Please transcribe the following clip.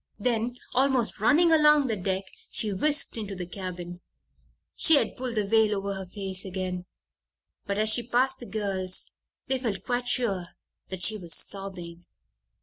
Then, almost running along the deck, she whisked into the cabin. She had pulled the veil over her face again, but as she passed the girls they felt quite sure that she was sobbing.